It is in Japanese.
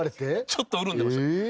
ちょっと潤んでました。